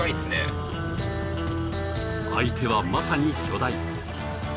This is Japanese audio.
相手はまさに巨大。